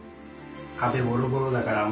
壁ボロボロだからもう。